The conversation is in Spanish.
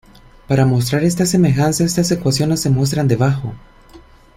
Para mostrar esta semejanza, estas ecuaciones se muestran debajo.